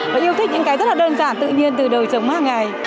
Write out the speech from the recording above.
và yêu thích những cái rất là đơn giản tự nhiên từ đầu chống hàng ngày